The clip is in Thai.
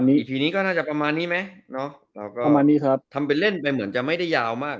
อีพีนี้ก็น่าจะประมาณนี้มั้ยเราก็ทำเป็นเล่นไปเหมือนจะไม่ได้ยาวมาก